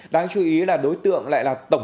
đáng chú ý là đối tượng lại là tổng